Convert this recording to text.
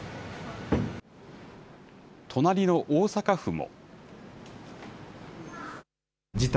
隣の大阪府も。